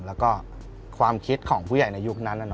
แล้วก็ความคิดของผู้ใหญ่ในยุคนั้น